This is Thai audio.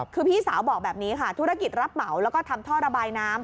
คือพี่สาวบอกแบบนี้ค่ะธุรกิจรับเหมาแล้วก็ทำท่อระบายน้ำ